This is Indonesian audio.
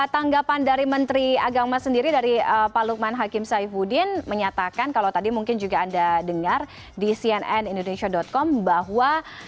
tanggapan dari menteri agama sendiri dari pak lukman hakim saifuddin menyatakan kalau tadi mungkin juga anda dengar di cnnindonesia com bahwa